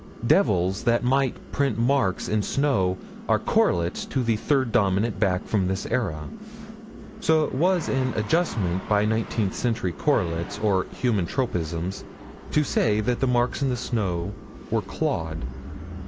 Devils that might print marks in snow are correlates to the third Dominant back from this era. So it was an adjustment by nineteenth century correlates, or human tropisms, to say that the marks in the snow were clawed.